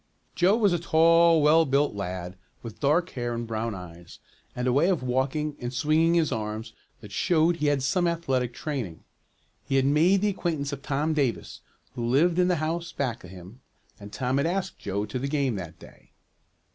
Joe was a tall, well built lad, with dark hair and brown eyes, and a way of walking and swinging his arms that showed he had some athletic training. He had made the acquaintance of Tom Davis, who lived in the house back of him, and Tom had asked Joe to go to the game that day.